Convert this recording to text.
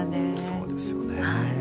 そうですよね。